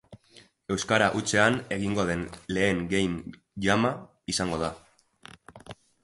Euskara hutsean egingo den lehen Game Jama izango da